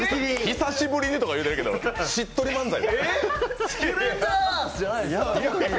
久しぶりにとか言ってるけどしっとり漫才。